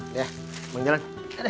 ya bang jalan